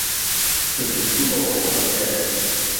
屯門公路好塞車